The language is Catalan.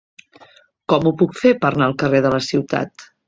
Com ho puc fer per anar al carrer de la Ciutat?